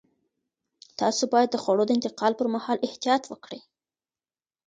تاسو باید د خوړو د انتقال پر مهال احتیاط وکړئ.